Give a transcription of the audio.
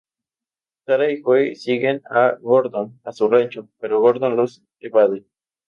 Sara y Joe siguen a Gordon a su rancho, pero Gordon los evade.